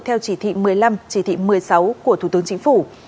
theo chỉ thị một mươi năm chỉ thị một mươi sáu của thủ tướng chính phủ